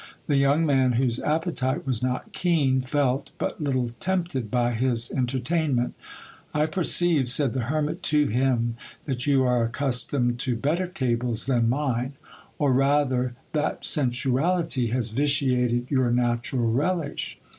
The young man, whose appetite was not keen, felt but little tempted by his entertainment. I perceive, said the hermit to him, that you are accustomed to better tables than mine, or rather that sensuality has vitiated your natural relish.